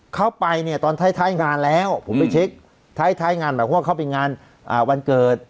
เขาไปเนี่ยตอนท้ายงานแล้วผมไปเช็คท้ายงานแบบว่าเขาไปงานวันเกิด